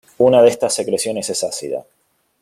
Una de estas secreciones es ácida.